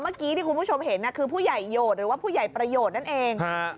เมื่อกี้ที่คุณผู้ชมเห็นคือผู้ใหญ่โหดหรือว่าผู้ใหญ่ประโยชน์นั่นเอง